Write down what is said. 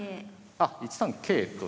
あっ１三桂。